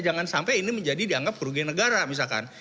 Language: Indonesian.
jangan sampai ini menjadi dianggap kerugian negara misalkan